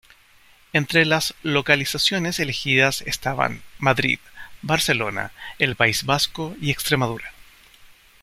Entre las localizaciones elegidas estaban Madrid, Barcelona, el País Vasco y Extremadura.